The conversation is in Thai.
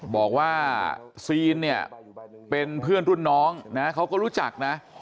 บอกว่าซีนเนี่ยเป็นเพื่อนรุ่นน้องนะเขาก็รู้จักนะ